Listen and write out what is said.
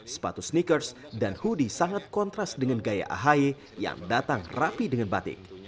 sepatu sneakers dan hoodie sangat kontras dengan gaya ahy yang datang rapi dengan batik